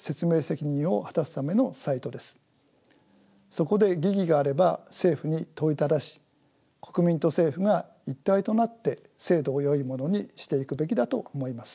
そこで疑義があれば政府に問いただし国民と政府が一体となって制度をよいものにしていくべきだと思います。